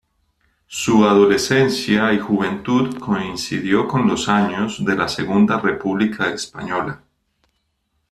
Su adolescencia y juventud coincidió con los años de la Segunda República Española.